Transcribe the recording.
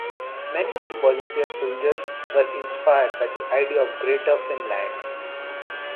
Many of the volunteer soldiers were inspired by the idea of Greater Finland.